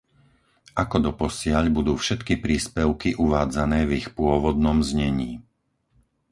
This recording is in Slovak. Ako doposiaľ budú všetky príspevky uvádzané v ich pôvodnom znení.